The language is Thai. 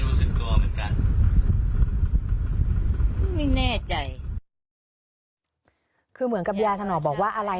ไม่อยากให้แม่เป็นอะไรไปแล้วนอนร้องไห้แท่ทุกคืน